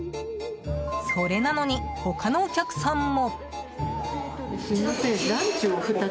それなのに他のお客さんも。